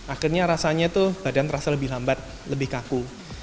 akhirnya rasanya tuh badan terasa lebih lambat lebih kaku